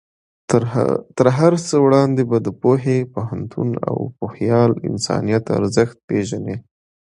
تر هر څه وړاندې به د پوهې، پوهنتون او پوهیال انسان ارزښت پېژنې.